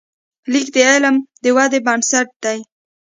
لیک د علم د ودې بنسټ دی.